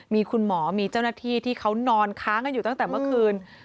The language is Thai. มีคุณหมอมีเจ้าหน้าที่ที่เขานอนค้างกันอยู่ตั้งแต่เมื่อคืน